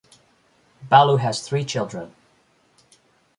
Baloo has three children.